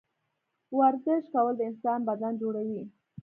ورزش کول د انسان بدن جوړوي